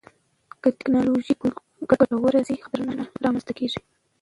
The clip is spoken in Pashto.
که ټکنالوژي کنټرول نشي، خطرونه رامنځته کېږي.